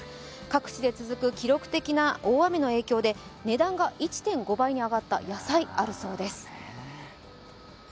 各地で続く記録的な大雨の影響で値段が１．５倍に上がった野菜があるそうです。